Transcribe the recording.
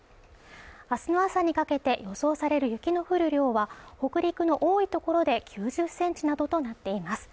明日の朝にかけて予想される雪の降る量は北陸の多い所で９０センチなどとなっています